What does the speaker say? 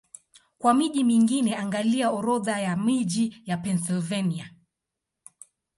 Kwa miji mingine, angalia Orodha ya miji ya Pennsylvania.